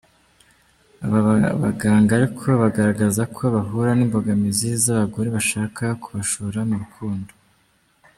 Aba baganga ariko bagaragaza ko bahura n’imbogamizi z’abagore bashaka kubashora mu rukundo.